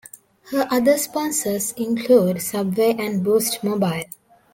Her other sponsors include Subway and Boost Mobile.